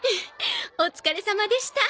お疲れさまでした。